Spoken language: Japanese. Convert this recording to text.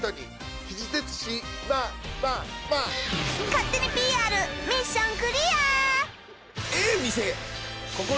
勝手に ＰＲ ミッションクリア！